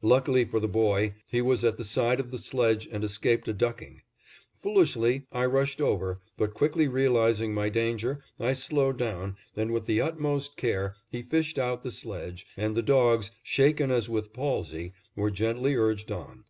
Luckily for the boy, he was at the side of the sledge and escaped a ducking. Foolishly I rushed over, but, quickly realizing my danger, I slowed down, and with the utmost care he fished out the sledge, and the dogs, shaking as with palsy, were gently urged on.